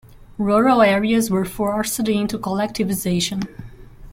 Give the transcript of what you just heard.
Rural areas were forced into collectivisation.